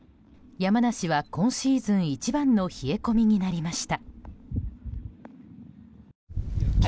山梨は今シーズン一番の冷え込みになりました。